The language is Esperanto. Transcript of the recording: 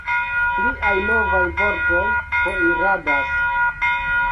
Pliaj novaj vortoj poiradas!